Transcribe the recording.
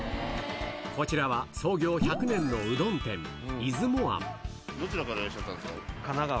こちらは創業１００年のうどどちらからいらっしゃったん神奈川。